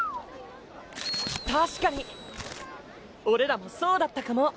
確かに俺らもそうだったかも。